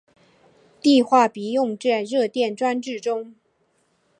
碲化铋用作热电装置中。